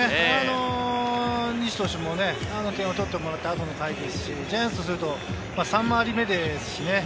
西投手も点を取ってもらった後の回ですし、ジャイアンツからすると３回り目ですしね。